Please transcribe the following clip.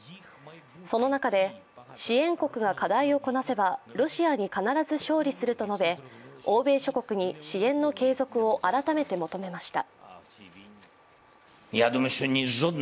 その中で、支援国が課題をこなせばロシアに必ず勝利すると述べ欧米諸国に支援の継続を改めて求めました。